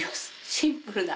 シンプルな。